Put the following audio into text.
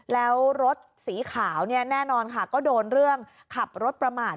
แล้วรถสีขาวเนี่ยแน่นอนค่ะก็โดนเรื่องขับรถประมาท